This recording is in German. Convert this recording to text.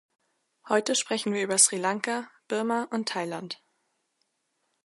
Heute sprechen wir über Sri Lanka, Birma und Thailand.